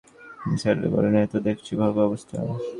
নিসার আলি বললেন, এ তো দেখছি ভয়াবহ অবস্থা!